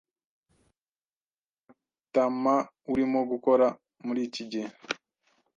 Matamaurimo gukora muri iki gihe.